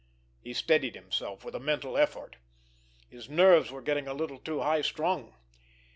He steadied himself with a mental effort. His nerves were getting a little too high strung.